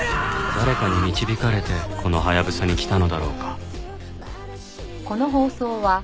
誰かに導かれてこのハヤブサに来たのだろうか。